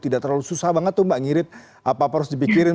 tidak terlalu susah banget tuh mbak ngirit apa apa harus dipikirin